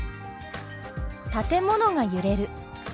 「建物が揺れる」。